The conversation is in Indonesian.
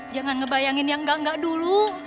jangan ngebayangin yang enggak enggak dulu